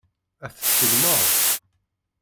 Ad t-tseggmeḍ?